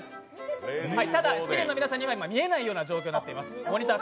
ただ、７人の皆さんには見えないように隠しています。